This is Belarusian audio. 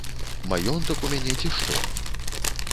Маёнтак у мяне, ці што?